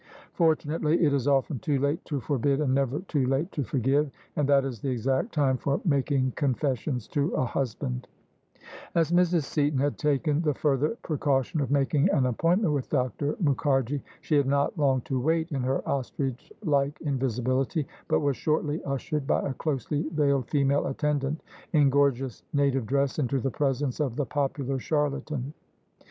Fortunately it is often too late to forbid and never too late to forgive: and that is the exact time for making confessions to a husband 1 " As Mrs. Seaton had taken the further precaution of making an appointment with Dr. Mukharji, she had not long to wait in her ostrich like invisibility; but was shortly ushered, by a closely veiled female attendant in gorgeous native dress, into the presence of the popular charlatan.